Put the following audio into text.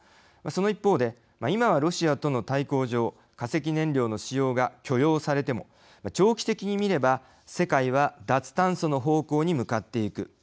その一方で今はロシアとの対抗上化石燃料の使用が許容されても長期的に見れば世界は脱炭素の方向に向かっていく。